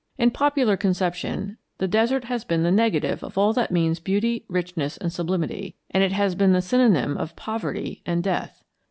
In popular conception the desert has been the negative of all that means beauty, richness, and sublimity; it has been the synonym of poverty and death.